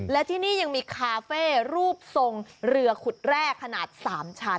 และที่นี่ยังมีคาเฟ่รูปทรงเรือขุดแร่ขนาด๓ชั้น